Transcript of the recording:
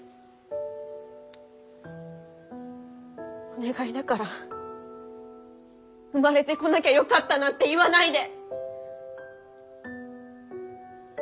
お願いだから生まれてこなきゃよかったなんて言わないで。